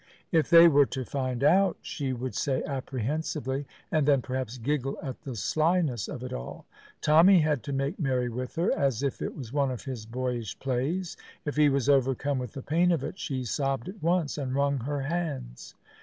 "If they were to find out!" she would say apprehensively, and then perhaps giggle at the slyness of it all. Tommy had to make merry with her, as if it was one of his boyish plays. If he was overcome with the pain of it, she sobbed at once and wrung her hands.